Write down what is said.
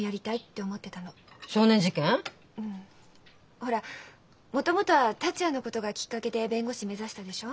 ほらもともとは達也のことがきっかけで弁護士目指したでしょ？